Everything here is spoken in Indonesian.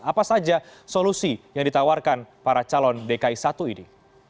apa saja solusi yang ditawarkan para calon dki satu ini